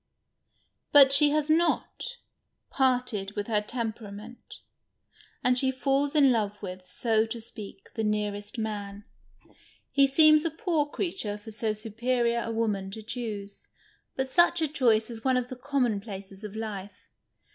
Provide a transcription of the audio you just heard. But she has not parted with her temperament, and she falls in love with, so to speak, the nearest man. lie seems a poor creature for so superior a woman to choose — but such a choice is one of the conmionplaces of life.